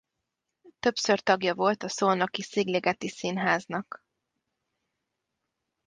Többször tagja volt a szolnoki Szigligeti Színháznak.